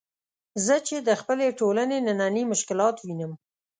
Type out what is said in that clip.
زه چې د خپلې ټولنې نني مشکلات وینم.